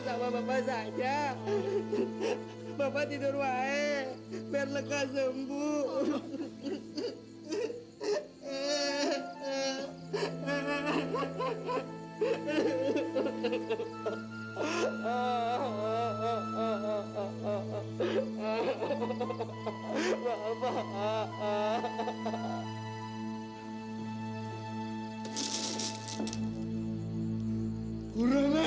sampai jumpa di video selanjutnya